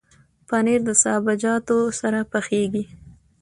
پنېر د سابهجاتو سره پخېږي.